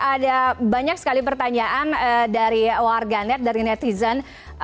ada banyak sekali pertanyaan dari warga net dari netizen